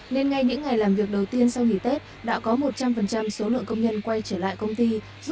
nên ngay những ngày làm việc đầu tiên sau nghỉ tết đã có một trăm linh số lượng công nhân quay trở lại công ty